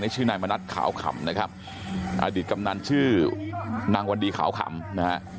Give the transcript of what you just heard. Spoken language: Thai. ชื่อนายมณัฐขาวขำนะครับอดีตกำนันชื่อนางวันดีขาวขำนะฮะ